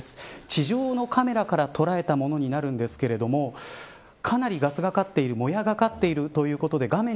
地上のカメラから捉えたものになるんですけれどもかなりガスがかっているもやがかってるということで画面